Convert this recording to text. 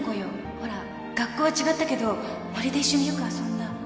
ほら学校は違ったけど森で一緒によく遊んだ